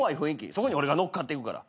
そこに俺が乗っかっていくから。